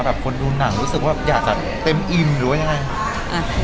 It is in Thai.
คนดูหนังรู้สึกว่าอยากจะเต็มอิ่มหรือว่ายังไง